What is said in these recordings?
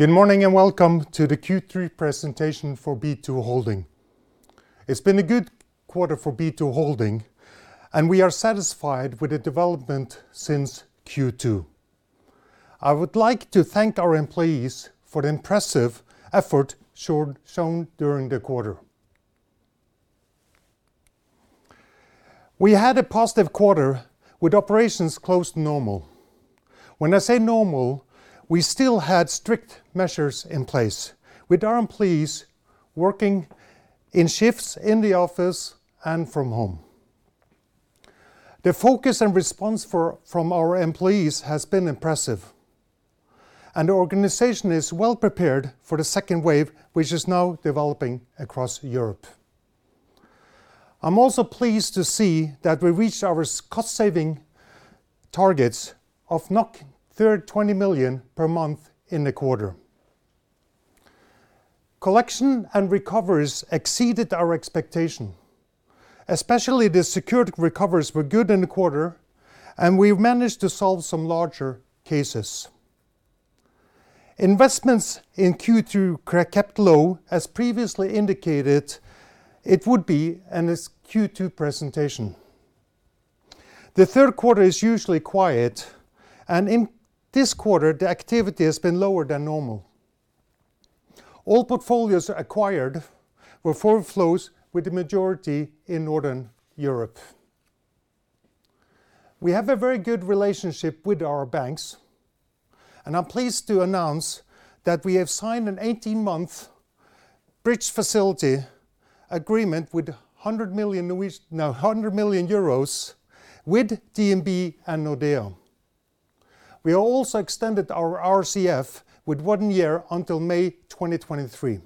Good morning, and welcome to the Q3 presentation for B2 Holding. It's been a good quarter for B2 Holding, and we are satisfied with the development since Q2. I would like to thank our employees for the impressive effort shown during the quarter. We had a positive quarter with operations close to normal. When I say normal, we still had strict measures in place with our employees working in shifts in the office and from home. The focus and response from our employees has been impressive, and the organization is well prepared for the second wave, which is now developing across Europe. I'm also pleased to see that we reached our cost-saving targets of 20 million per month in the quarter. Collection and recoveries exceeded our expectation. Especially the secured recovers were good in the quarter, and we managed to solve some larger cases. Investments in Q2 kept low, as previously indicated it would be in its Q2 presentation. The third quarter is usually quiet, and in this quarter, the activity has been lower than normal. All portfolios acquired were forward flows with the majority in Northern Europe. We have a very good relationship with our banks, and I'm pleased to announce that we have signed an 18-month bridge facility agreement with 100 million euros with DNB and Nordea. We also extended our RCF with one year until May 2023.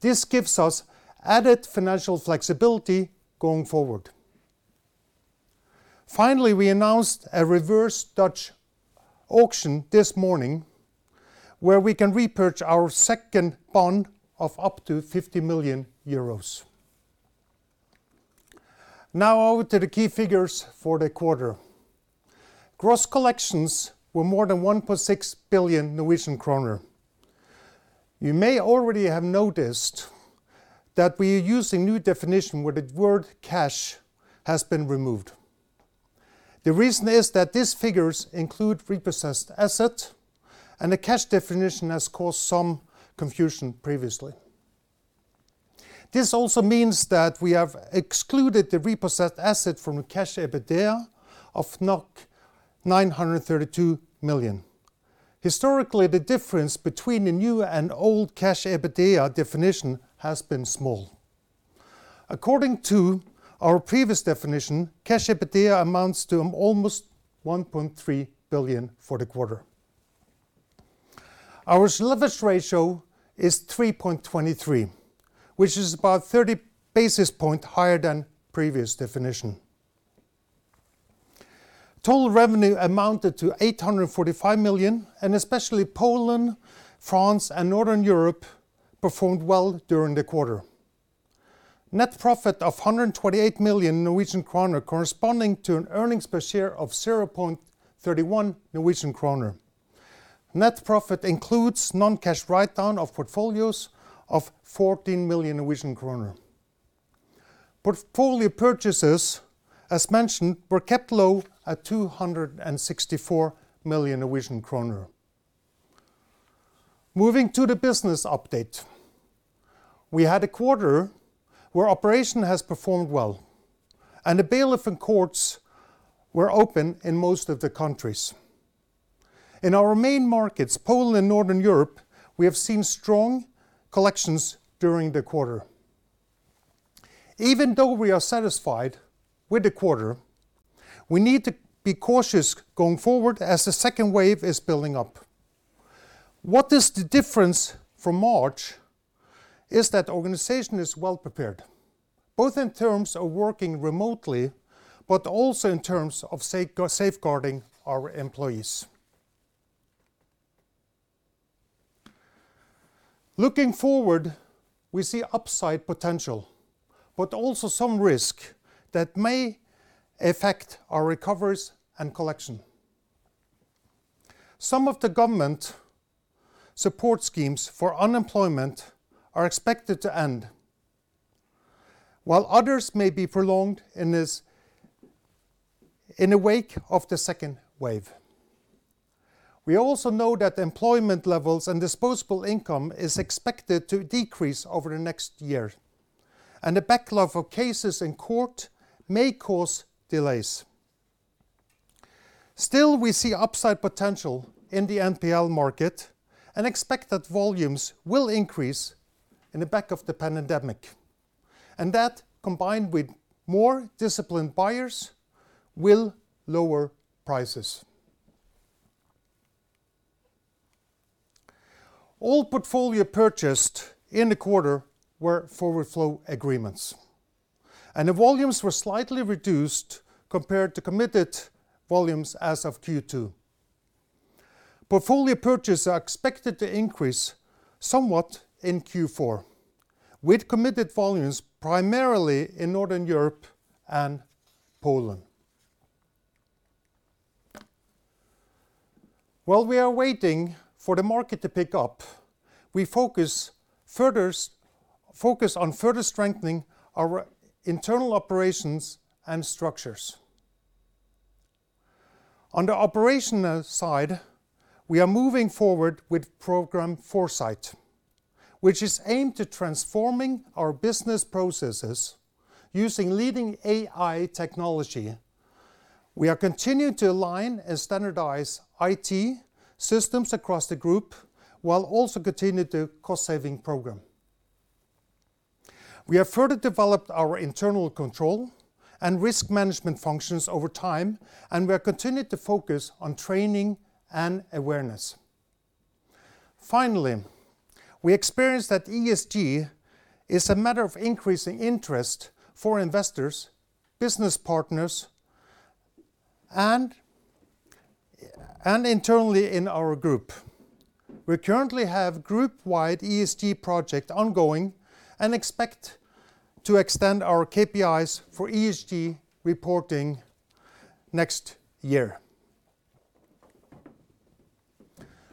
This gives us added financial flexibility going forward. Finally, we announced a reverse Dutch auction this morning where we can repurchase our second bond of up to 50 million euros. Now, over to the key figures for the quarter. Gross collections were more than 1.6 billion Norwegian kroner. You may already have noticed that we are using a new definition where the word cash has been removed. The reason is that these figures include repossessed assets, and the cash definition has caused some confusion previously. This also means that we have excluded the repossessed asset from cash EBITDA of 932 million. Historically, the difference between the new and old cash EBITDA definition has been small. According to our previous definition, cash EBITDA amounts to almost 1.3 billion for the quarter. Our leverage ratio is 3.23, which is about 30 basis points higher than previous definition. Total revenue amounted to 845 million, and especially Poland, France, and Northern Europe performed well during the quarter. Net profit of 128 million Norwegian kroner corresponding to an earnings per share of 0.31 Norwegian kroner. Net profit includes non-cash write-down of portfolios of 14 million Norwegian kroner. Portfolio purchases, as mentioned, were kept low at 264 million Norwegian kroner. Moving to the business update. We had a quarter where operation has performed well, and the bailiff and courts were open in most of the countries. In our main markets, Poland and Northern Europe, we have seen strong collections during the quarter. Even though we are satisfied with the quarter, we need to be cautious going forward as the second wave is building up. What is the difference from March is that the organization is well prepared, both in terms of working remotely, but also in terms of safeguarding our employees. Looking forward, we see upside potential, but also some risk that may affect our recoveries and collection. Some of the government support schemes for unemployment are expected to end, while others may be prolonged in the wake of the second wave. We also know that employment levels and disposable income is expected to decrease over the next year, and a backlog of cases in court may cause delays. Still, we see upside potential in the NPL market and expect that volumes will increase in the back of the pandemic. That, combined with more disciplined buyers, will lower prices. All portfolio purchased in the quarter were forward flow agreements, and the volumes were slightly reduced compared to committed volumes as of Q2. Portfolio purchases are expected to increase somewhat in Q4. With committed volumes primarily in Northern Europe and Poland. While we are waiting for the market to pick up, we focus on further strengthening our internal operations and structures. On the operational side, we are moving forward with program Foresight, which is aimed to transforming our business processes using leading AI technology. We are continuing to align and standardize IT systems across the group, while also continuing the cost-saving program. We have further developed our internal control and risk management functions over time, and we are continuing to focus on training and awareness. Finally, we experienced that ESG is a matter of increasing interest for investors, business partners, and internally in our group. We currently have group-wide ESG project ongoing and expect to extend our KPIs for ESG reporting next year.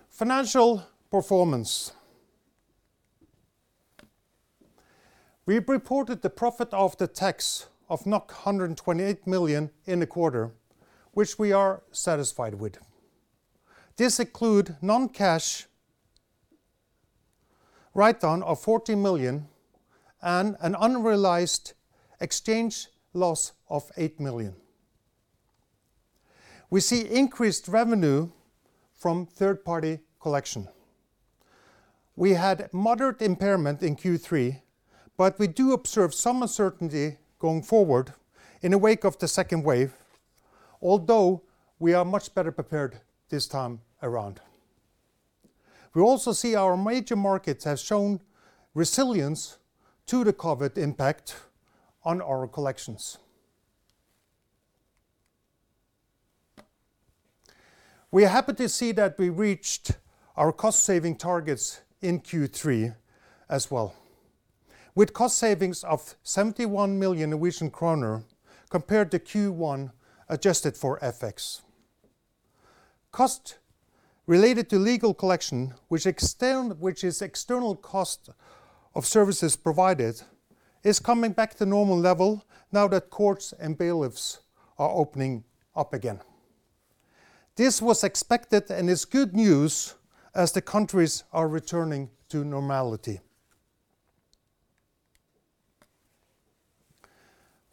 Financial performance. We've reported the profit after tax of 128 million in the quarter, which we are satisfied with. This include non-cash write down of 14 million and an unrealized exchange loss of 8 million. We see increased revenue from third-party collection. We had moderate impairment in Q3, but we do observe some uncertainty going forward in the wake of the second wave, although we are much better prepared this time around. We also see our major markets have shown resilience to the COVID impact on our collections. We are happy to see that we reached our cost-saving targets in Q3 as well, with cost savings of 71 million Norwegian kroner compared to Q1, adjusted for FX. Cost related to legal collection, which is external cost of services provided, is coming back to normal level now that courts and bailiffs are opening up again. This was expected and is good news as the countries are returning to normality.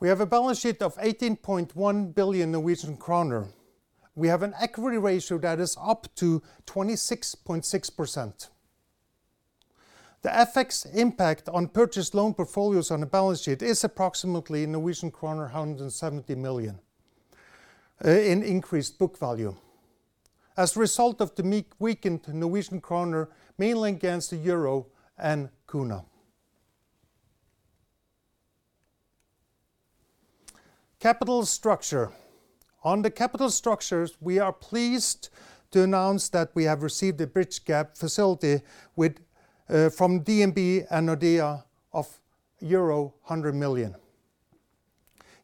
We have a balance sheet of 18.1 billion Norwegian kroner. We have an equity ratio that is up to 26.6%. The FX impact on purchased loan portfolios on the balance sheet is approximately Norwegian kroner 170 million in increased book value as a result of the weakened NOK, mainly against the EUR and HRK. Capital structure. On the capital structures, we are pleased to announce that we have received a bridge gap facility from DNB and Nordea of euro 100 million,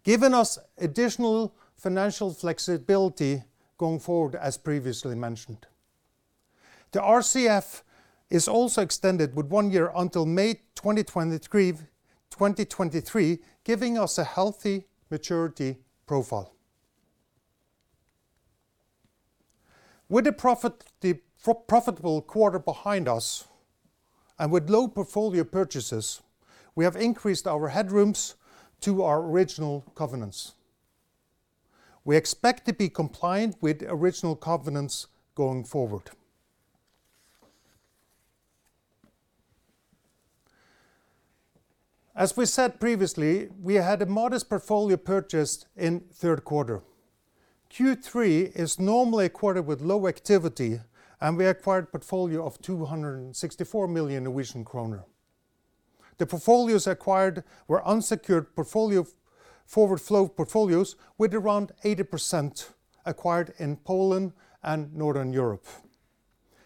giving us additional financial flexibility going forward as previously mentioned. The RCF is also extended with one year until May 2023, giving us a healthy maturity profile. With the profitable quarter behind us and with low portfolio purchases, we have increased our headrooms to our original covenants. We expect to be compliant with original covenants going forward. As we said previously, we had a modest portfolio purchase in third quarter. Q3 is normally a quarter with low activity, and we acquired portfolio of 264 million Norwegian kroner. The portfolios acquired were unsecured portfolio forward flow portfolios with around 80% acquired in Poland and Northern Europe.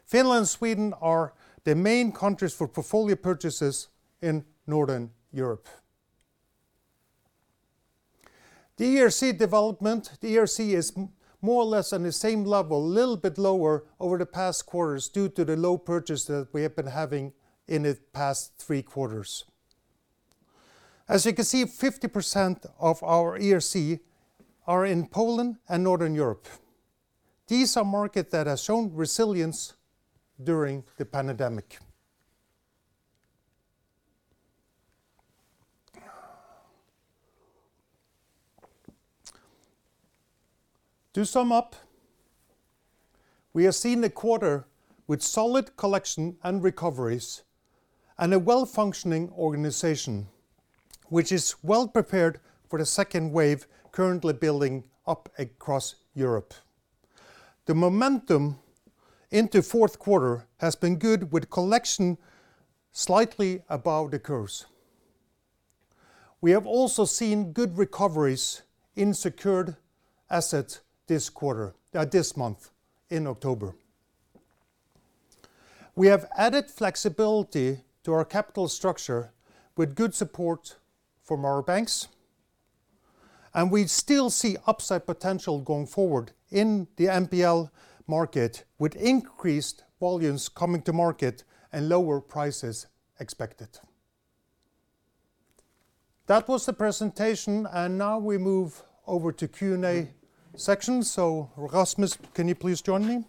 Finland and Sweden are the main countries for portfolio purchases in Northern Europe. The ERC development. The ERC is more or less on the same level, little bit lower over the past quarters due to the low purchase that we have been having in the past three quarters. As you can see, 50% of our ERC are in Poland and Northern Europe. These are market that has shown resilience during the pandemic. To sum up, we have seen a quarter with solid collection and recoveries and a well-functioning organization, which is well prepared for the second wave currently building up across Europe. The momentum into fourth quarter has been good with collection slightly above the curves. We have also seen good recoveries in secured asset this month in October. We have added flexibility to our capital structure with good support from our banks, and we still see upside potential going forward in the NPL market with increased volumes coming to market and lower prices expected. That was the presentation, and now we move over to Q&A section. Rasmus, can you please join me?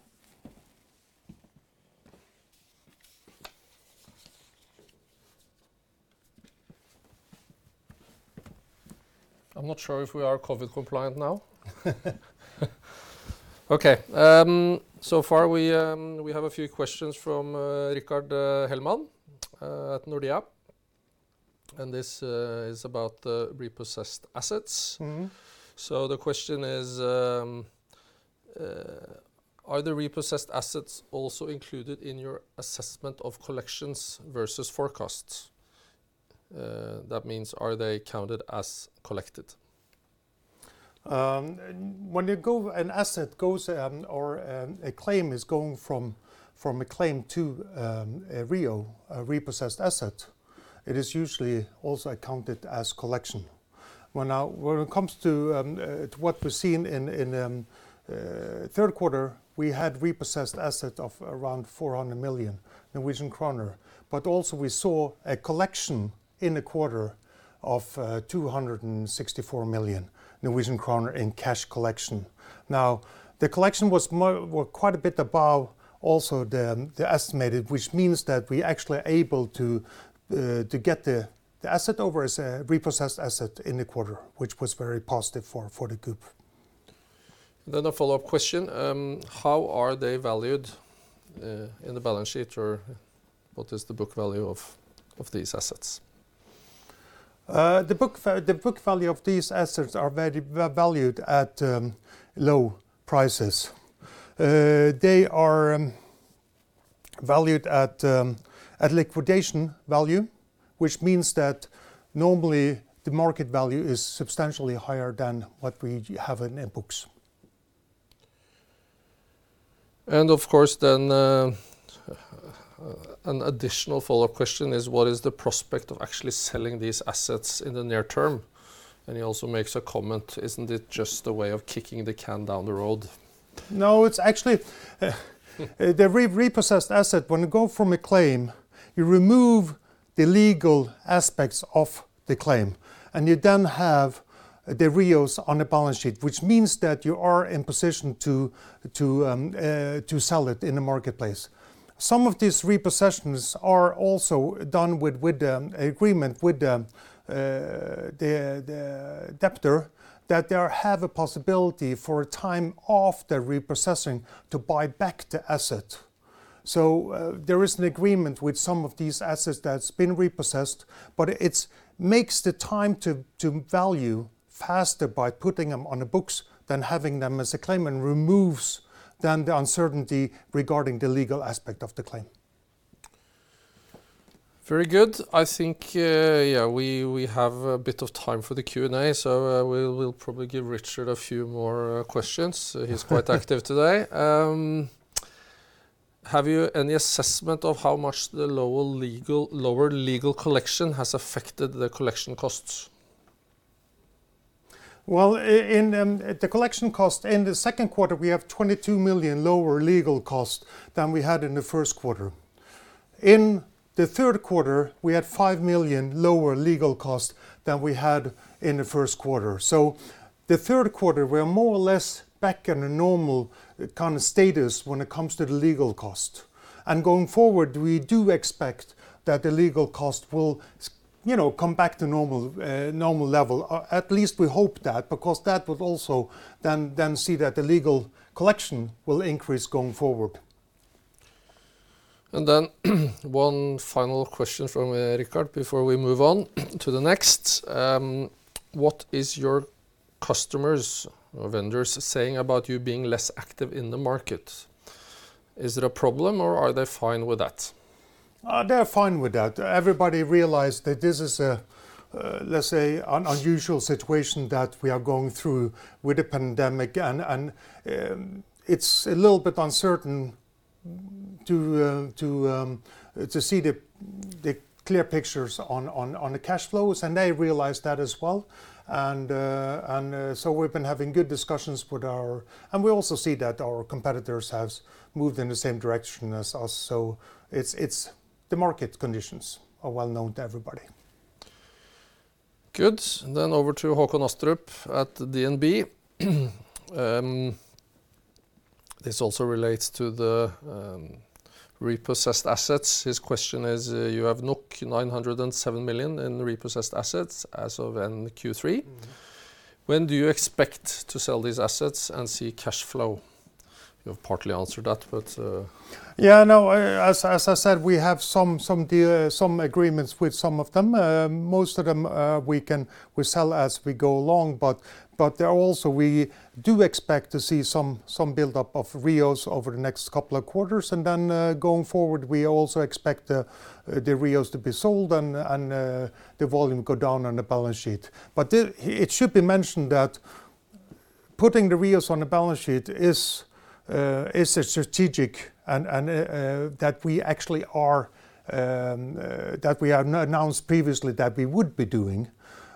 I'm not sure if we are COVID compliant now. Okay. So far we have a few questions from Rickard Hellman at Nordea, and this is about the repossessed assets. The question is, are the repossessed assets also included in your assessment of collections versus forecasts? That means are they counted as collected? When an asset goes or a claim is going from a claim to a REO, a repossessed asset, it is usually also accounted as collection. When it comes to what we're seeing in third quarter, we had repossessed asset of around 400 million Norwegian kroner. Also we saw a collection in the quarter of 264 million Norwegian kroner in cash collection. The collection was quite a bit above also the estimated, which means that we actually are able to get the asset over as a repossessed asset in the quarter, which was very positive for the group. A follow-up question. How are they valued, in the balance sheet or what is the book value of these assets? The book value of these assets are valued at low prices. They are valued at liquidation value, which means that normally the market value is substantially higher than what we have in books. Of course, an additional follow-up question is what is the prospect of actually selling these assets in the near term? He also makes a comment, "Isn't it just a way of kicking the can down the road? No, it's actually the repossessed asset, when you go from a claim, you remove the legal aspects of the claim, and you then have the REOs on the balance sheet, which means that you are in position to sell it in the marketplace. Some of these repossessions are also done with agreement with the debtor that they have a possibility for a time off the repossessing to buy back the asset. There is an agreement with some of these assets that's been repossessed, but it makes the time to value faster by putting them on the books than having them as a claim and removes then the uncertainty regarding the legal aspect of the claim. Very good. I think, yeah, we have a bit of time for the Q&A, we'll probably give Rickard a few more questions. He's quite active today. Have you any assessment of how much the lower legal collection has affected the collection costs? In the collection cost in the second quarter, we have 22 million lower legal cost than we had in the first quarter. In the third quarter, we had 5 million lower legal cost than we had in the first quarter. The third quarter, we're more or less back in a normal kind of status when it comes to the legal cost. Going forward, we do expect that the legal cost will come back to normal level. At least we hope that, because that would also then see that the legal collection will increase going forward. One final question from Rickard before we move on to the next. What is your customers or vendors saying about you being less active in the market? Is it a problem or are they fine with that? They're fine with that. Everybody realize that this is a, let's say, unusual situation that we are going through with the pandemic, and it's a little bit uncertain to see the clear pictures on the cash flows, and they realize that as well. We also see that our competitors have moved in the same direction as us, it's the market conditions are well known to everybody. Good. Over to Håkon Astrup at DNB. This also relates to the repossessed assets. Question is, you have 907 million in repossessed assets as of end Q3. When do you expect to sell these assets and see cash flow? You have partly answered that. Yeah, no, as I said, we have some agreements with some of them. Most of them, we sell as we go along. There are also, we do expect to see some build-up of REOs over the next couple of quarters. Then, going forward, we also expect the REOs to be sold and the volume go down on the balance sheet. It should be mentioned that putting the REOs on the balance sheet is a strategy that we have announced previously that we would be doing.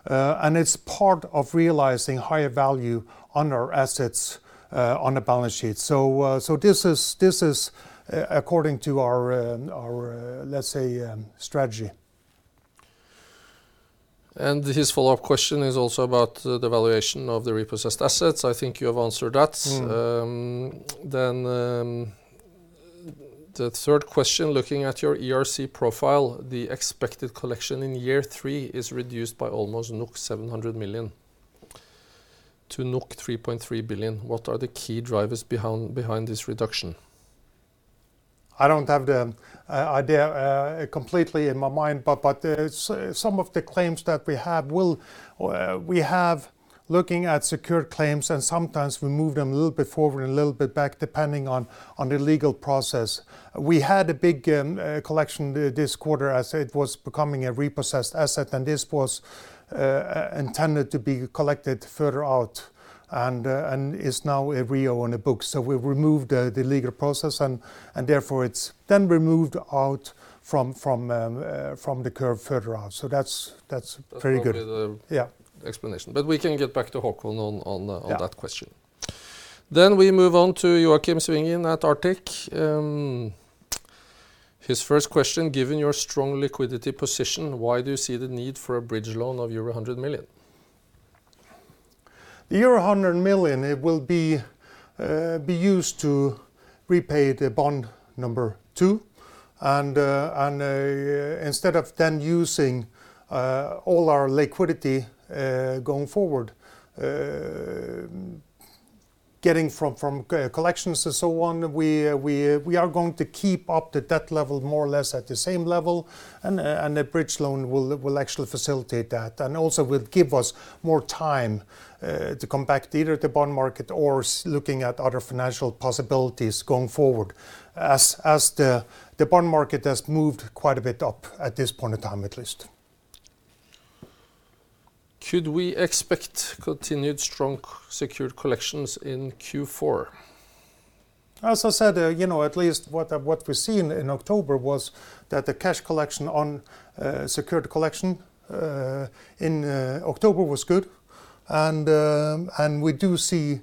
It's part of realizing higher value on our assets on the balance sheet. This is according to our, let's say, strategy. Follow-up question is also about the valuation of the repossessed assets. I think you have answered that. The third question, looking at your ERC profile, the expected collection in year three is reduced by almost 700 million-3.3 billion NOK. What are the key drivers behind this reduction? I don't have the idea completely in my mind, but some of the claims that we have, looking at secured claims and sometimes we move them a little bit forward and a little bit back, depending on the legal process. We had a big collection this quarter as it was becoming a repossessed asset, and this was intended to be collected further out and is now a REO on the book. We removed the legal process and therefore it's then removed out from the curve further out. That's pretty good. That will be the. Yeah. Explanation. We can get back to Håkon on that question. Yeah. We move on to Joakim Svingen at Arctic. First question, given your strong liquidity position, why do you see the need for a bridge loan of euro 100 million? The euro 100 million, it will be used to repay the bond number two. Instead of then using all our liquidity going forward getting from collections and so on, we are going to keep up the debt level more or less at the same level and the bridge loan will actually facilitate that. Also will give us more time to come back to either the bond market or looking at other financial possibilities going forward, as the bond market has moved quite a bit up at this point in time, at least. Could we expect continued strong secured collections in Q4? As I said, at least what we've seen in October was that the cash collection on secured collection in October was good. We do see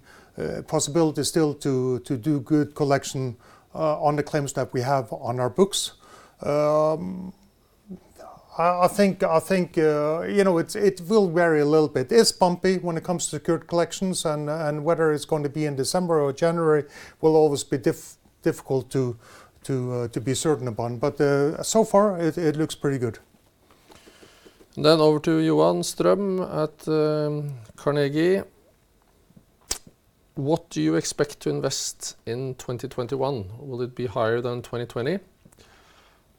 possibilities still to do good collection on the claims that we have on our books. I think it will vary a little bit. It is bumpy when it comes to secured collections. Whether it's going to be in December or January will always be difficult to be certain upon. So far it looks pretty good. Over to Johan Strøm at Carnegie. What do you expect to invest in 2021? Will it be higher than 2020?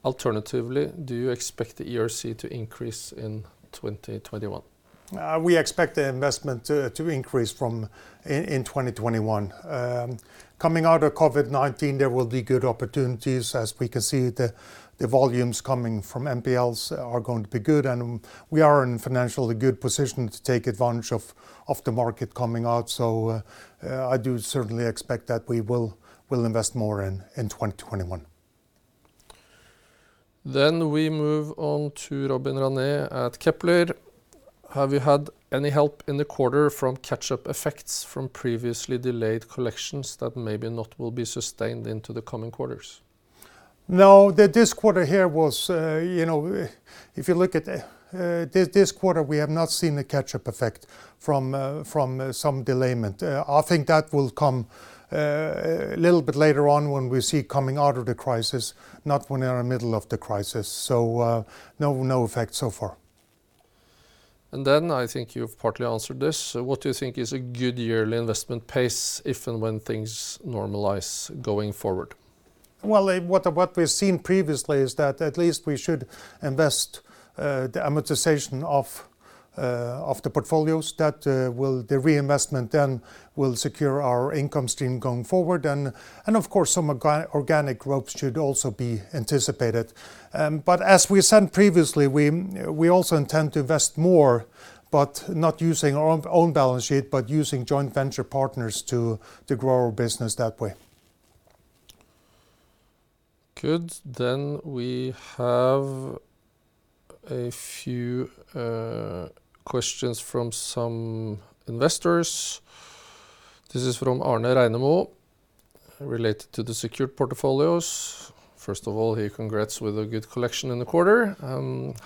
Alternatively, do you expect the ERC to increase in 2021? We expect the investment to increase in 2021. Coming out of COVID-19, there will be good opportunities as we can see the volumes coming from NPLs are going to be good and we are in a financially good position to take advantage of the market coming out. I do certainly expect that we will invest more in 2021. We move on to [Robin Rané] at Kepler. Have you had any help in the quarter from catch-up effects from previously delayed collections that maybe not will be sustained into the coming quarters? This quarter here was, if you look at this quarter, we have not seen the catch-up effect from some delay. I think that will come a little bit later on when we see coming out of the crisis, not when we are in the middle of the crisis. No effect so far. I think you've partly answered this. What do you think is a good yearly investment pace if and when things normalize going forward? Well, what we've seen previously is that at least we should invest the amortization of the portfolios. The reinvestment will secure our income stream going forward and of course, some organic growth should also be anticipated. As we said previously, we also intend to invest more, but not using our own balance sheet, but using joint venture partners to grow our business that way. Good. We have a few questions from some investors. This is from Arne Reinemo related to the secured portfolios. First of all, he congrats with a good collection in the quarter.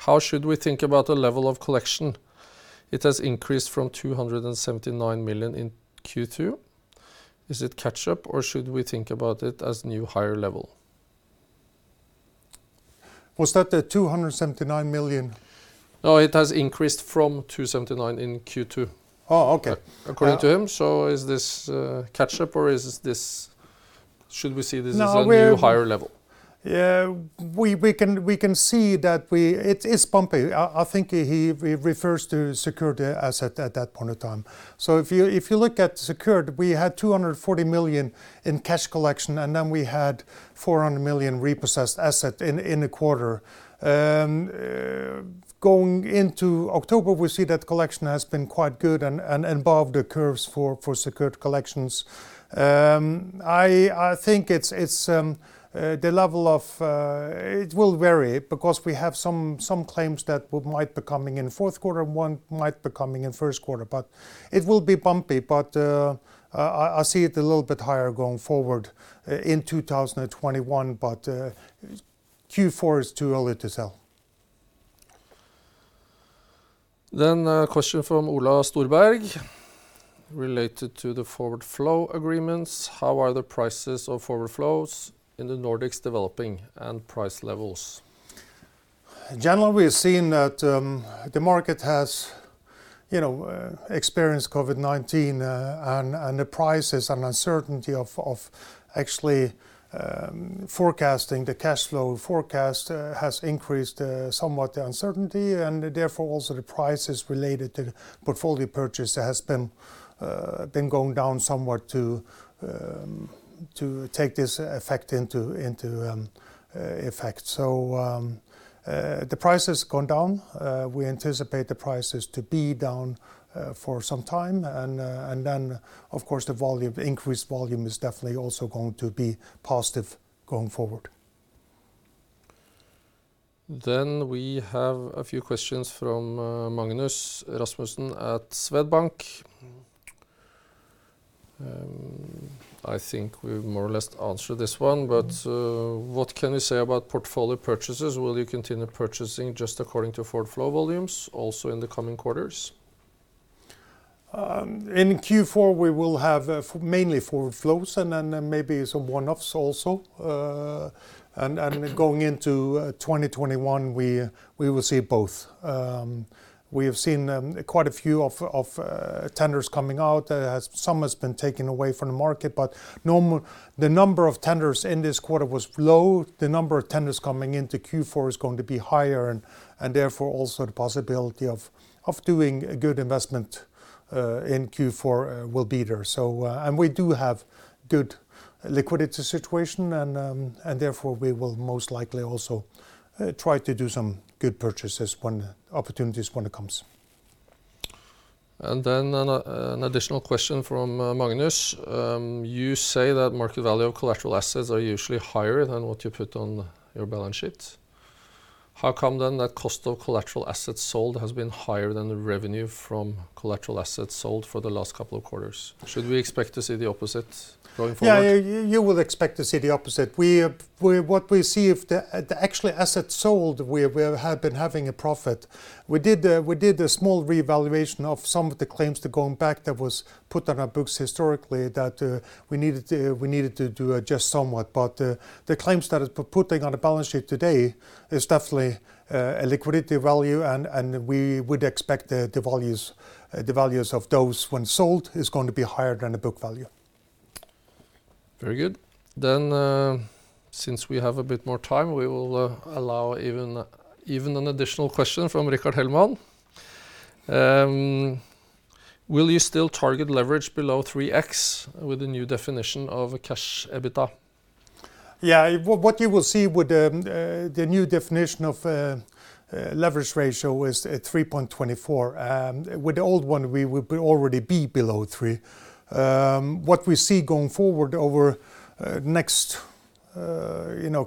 How should we think about the level of collection? It has increased from 279 million in Q2. Is it catch-up or should we think about it as new higher level? Was that the 279 million? No, it has increased from 279 in Q2. Oh, okay. Okay. According to him. Is this catch-up or should we see this as a new higher level? We can see that it is bumpy. I think he refers to secured asset at that point in time. If you look at secured, we had 240 million in cash collection, and then we had 400 million repossessed asset in the quarter. Going into October, we see that collection has been quite good and above the curves for secured collections. I think it will vary because we have some claims that might be coming in the fourth quarter, and one might be coming in the first quarter. It will be bumpy, but I see it a little bit higher going forward in 2021. Q4 is too early to tell. A question from Ola Storsberg related to the forward flow agreements. How are the prices of forward flows in the Nordics developing and price levels? Generally, we have seen that the market has experienced COVID-19, and the prices and uncertainty of actually forecasting the cash flow forecast has increased somewhat the uncertainty, and therefore also the prices related to portfolio purchase has been going down somewhat to take this effect into effect. The price has gone down. We anticipate the prices to be down for some time. Then, of course, the increased volume is definitely also going to be positive going forward. We have a few questions from Magnus Rasmussen at Swedbank. I think we more or less answered this one, but, "What can you say about portfolio purchases? Will you continue purchasing just according to forward flow volumes, also in the coming quarters? In Q4, we will have mainly forward flows and then maybe some one-offs also. Going into 2021, we will see both. We have seen quite a few tenders coming out. Some has been taken away from the market, but the number of tenders in this quarter was low. The number of tenders coming into Q4 is going to be higher, and therefore also the possibility of doing a good investment in Q4 will be there. We do have good liquidity situation, and therefore we will most likely also try to do some good purchases when opportunities when it comes. An additional question from Magnus. You say that market value of collateral assets are usually higher than what you put on your balance sheet. How come then that cost of collateral assets sold has been higher than the revenue from collateral assets sold for the last couple of quarters? Should we expect to see the opposite going forward? Yeah. You will expect to see the opposite. What we see, actually assets sold, we have been having a profit. We did a small revaluation of some of the claims going back that was put on our books historically that we needed to adjust somewhat. The claims that we're putting on the balance sheet today is definitely a liquidity value, and we would expect the values of those when sold is going to be higher than the book value. Very good. Since we have a bit more time, we will allow even an additional question from Rickard Hellman. Will you still target leverage below 3x with the new definition of a cash EBITDA? Yeah. What you will see with the new definition of leverage ratio is at 3.24. With the old one, we would already be below three. What we see going forward over next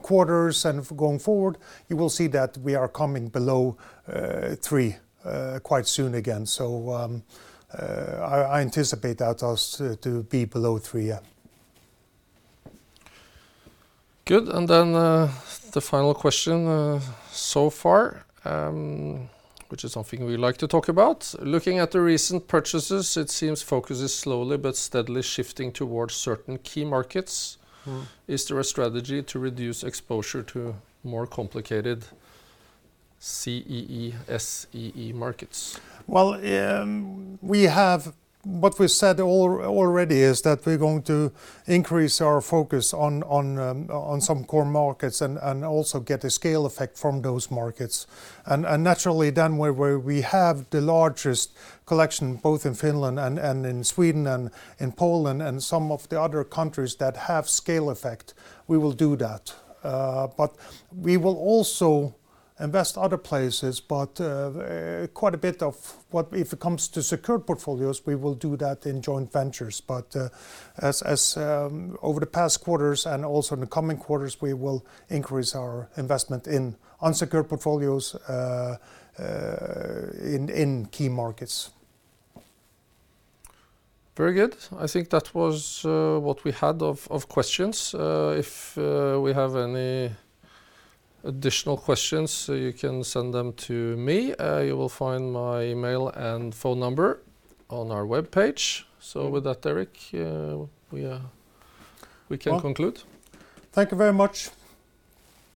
quarters and going forward, you will see that we are coming below three quite soon again. I anticipate that us to be below three, yeah. Good. The final question so far which is something we like to talk about. "Looking at the recent purchases, it seems focus is slowly but steadily shifting towards certain key markets. Is there a strategy to reduce exposure to more complicated CEE, SEE markets? Well, what we said already is that we're going to increase our focus on some core markets and also get a scale effect from those markets. Naturally then where we have the largest collection both in Finland and in Sweden and in Poland and some of the other countries that have scale effect, we will do that. We will also invest other places, but quite a bit of if it comes to secured portfolios, we will do that in joint ventures. Over the past quarters and also in the coming quarters, we will increase our investment in unsecured portfolios in key markets. Very good. I think that was what we had of questions. If we have any additional questions, you can send them to me. You will find my email and phone number on our webpage. With that, Erik, we can conclude. Thank you very much.